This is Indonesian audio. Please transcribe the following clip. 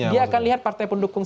dia akan lihat partai pendukung